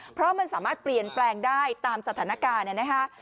เพราะมันสามารถเปลี่ยนแปลงได้ตามสถานการณ์เนี่ยนะคะ